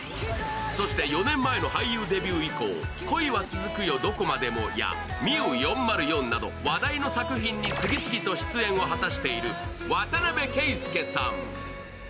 そして４年前の俳優デビュー以降「恋はつづくよどこまでも」や「ＭＩＵ４０４」など話題の作品に次々と出演を果たしている渡邊圭祐さん。